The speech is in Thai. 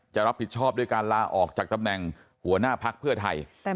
จะรับผิดชอบด้วยการลาออกจากตำแหน่งหัวหน้าพักเพื่อไทย